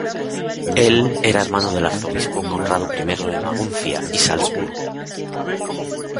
Él era hermano del arzobispo Conrado I de Maguncia y Salzburgo.